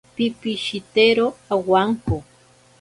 Pipishitero awanko.